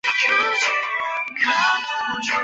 东汉罗侯。